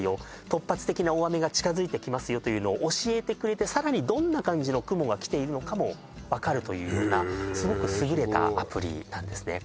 突発的な大雨が近づいてきますよというのを教えてくれてさらにどんな感じの雲が来ているのかも分かるというようなすごく優れたアプリなんですね